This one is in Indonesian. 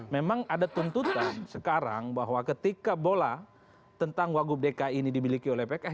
memang ada tuntutan sekarang bahwa ketika bola tentang wagub dki ini dimiliki oleh pks